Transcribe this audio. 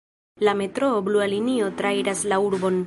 La metroo "Blua Linio" trairas la urbon.